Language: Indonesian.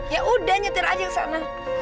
ya udah nyetir aja ke sana